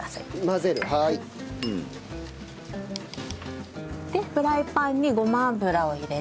混ぜるはーい。でフライパンにごま油を入れて。